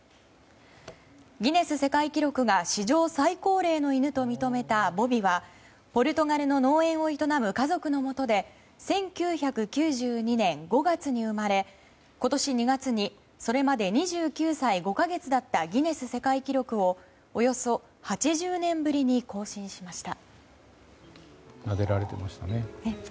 ギネス世界記録が史上最高齢の犬と認めたボビはポルトガルの農園を営む家族のもとで１９９２年５月に生まれ今年２月にそれまで２９歳５か月だったギネス世界記録をおよそ８０年ぶりに更新しました。